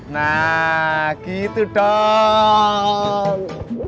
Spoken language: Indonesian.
nah gitu dong